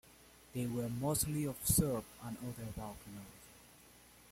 They were mostly of Serb and other Balkan origin.